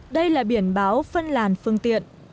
đây là biển báo phân làn phương tiện